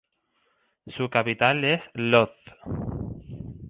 Su capital es Łódź.